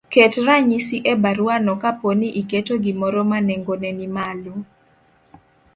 ket ranyisi e baruano kapo ni iketo gimoro ma nengone ni malo,